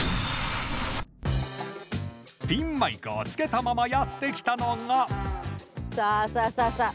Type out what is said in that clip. ピンマイクをつけたままやって来たのがさあさあさあさあ